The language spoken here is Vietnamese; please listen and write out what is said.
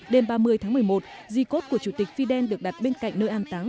đêm ba mươi tháng một mươi một di cốt của chủ tịch fidel được đặt bên cạnh nơi an táng